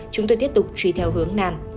chúng tôi tiếp tục truy theo hướng nam